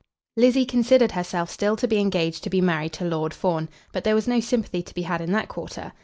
Lizzie considered herself still to be engaged to be married to Lord Fawn, but there was no sympathy to be had in that quarter.